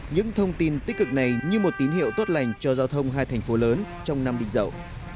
những thông tin tích cực này như một tín hiệu tốt lành cho giao thông hai thành phố lớn trong năm định dậu